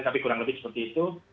tapi kurang lebih seperti itu